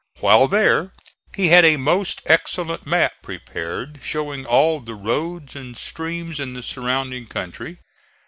While there he had a most excellent map prepared showing all the roads and streams in the surrounding country.